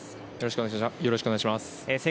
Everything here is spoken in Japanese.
よろしくお願いします。